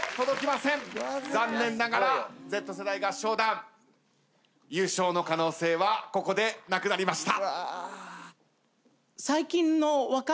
残念ながらＺ世代合唱団優勝の可能性はここでなくなりました。